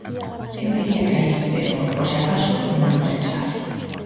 Eu diría que aí, pero, por se acaso, ímolo pensar.